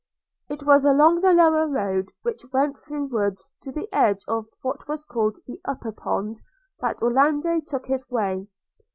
It was along the lower road, which went through woods to the edge of what was called the upper pond, that Orlando took his way.